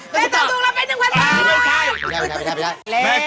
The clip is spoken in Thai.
แม่ตอบถูกแล้ว๑๐๐๐บาท